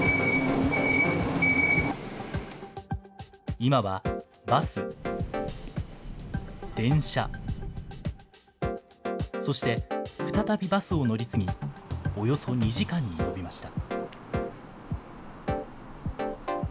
今はバス、電車、そして再びバスを乗り継ぎ、およそ２時間に延びました。